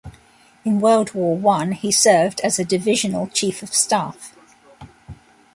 In World War One he served as a divisional chief of staff.